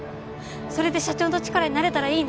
それで社長の力になれたらいいなって。